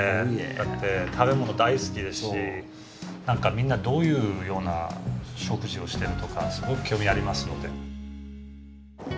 だって食べ物大好きですし何かみんなどういうような食事をしてるとかすごく興味ありますので。